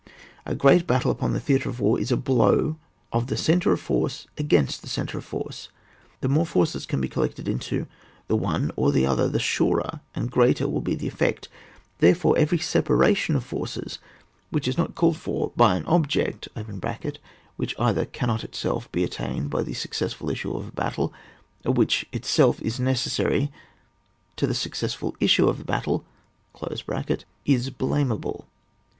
A great battle upon the theatre of war is the blow of the centre of force against the centre of force ; the more forces can be collected in the one or the other, the surer and greater will be the effect. Therefore every separation of forces which is not called for by an object (which either cannot itself be at tained by the successful issue of a battle, or which itself is necessary to the suc cessful issue of the battle) is blameahle.